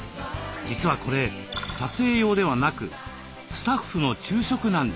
実はこれ撮影用ではなくスタッフの昼食なんです。